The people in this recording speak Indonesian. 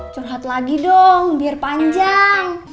curhat lagi dong biar panjang